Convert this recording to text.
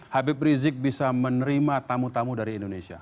habib rizik bisa menerima tamu tamu dari indonesia